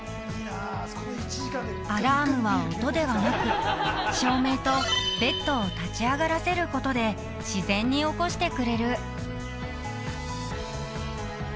［アラームは音ではなく照明とベッドを立ち上がらせることで自然に起こしてくれる］